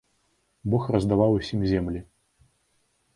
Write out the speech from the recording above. Бог раздаваў усім землі.